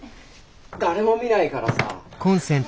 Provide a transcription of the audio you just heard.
誰も見ないからさ。